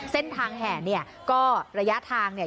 เส้นทางแห่เนี่ยก็ระยะทางเนี่ย